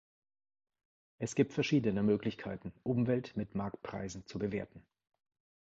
Es gibt verschiedene Möglichkeiten, Umwelt mit Marktpreisen zu bewerten.